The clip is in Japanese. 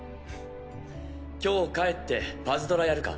今日帰ってパズドラやるか？